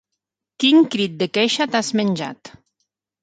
Quin crit de queixa t'has menjat!